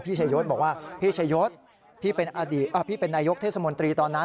พี่ชายศบอกว่าพี่ชายศพี่เป็นนายยกเทศมนตรีตอนนั้น